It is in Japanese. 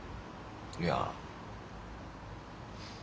いや。